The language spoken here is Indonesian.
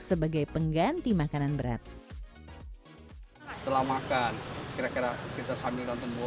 malam pengganti nasi